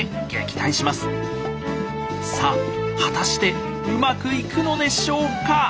さあ果たしてうまくいくのでしょうか？